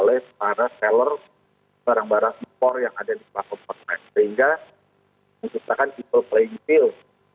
sehingga menciptakan people playing field